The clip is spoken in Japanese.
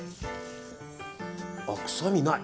あ、臭みない。